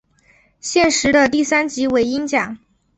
现时的第三级为英甲。